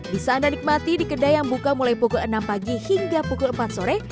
bisa anda nikmati di kedai yang buka mulai pukul enam pagi hingga pukul empat sore